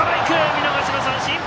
見逃しの三振！